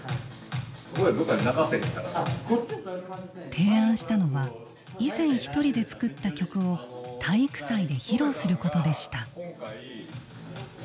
提案したのは以前１人で作った曲を体育祭で披露することでした。